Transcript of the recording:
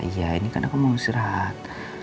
iya ini kan aku mau istirahat